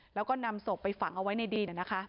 แล้วก็นำศพไปฝังเอาไว้ในดิน